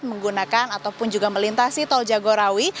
menggunakan ataupun juga melintasi tol jagorawi